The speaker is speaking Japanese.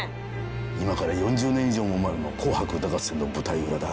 今から４０年以上も前の「紅白歌合戦」の舞台裏だ。